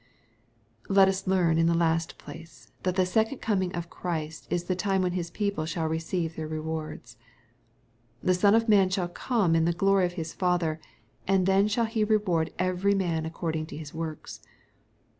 Let us learn, in the last place, that the second coming of Christ is the time when His people shaU receive their rewards. " The Son of Man shall come in the glory of His Father, and then shall he reward every man accord ing to his works."